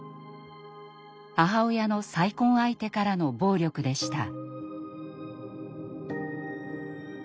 母親の再婚相手からの暴力でした。